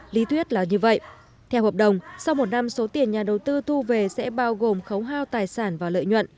lý thuyết là như vậy theo hợp đồng sau một năm số tiền nhà đầu tư thu về sẽ bao gồm khấu hao tài sản và lợi nhuận